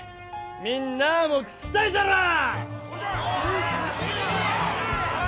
みんなあも聞きたいじゃろう？